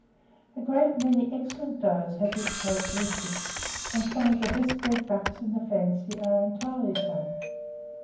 A great many excellent does have this characteristic, and some of the best bred bucks in the fancy are entirely so.